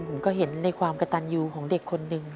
ผมก็เห็นในความกระตันยูของเด็กคนหนึ่ง